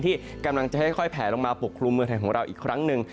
ที่กำลังจะค่อยแผลลงมาปกครุมเมืองไทยของเราอีกครั้งหนึ่ง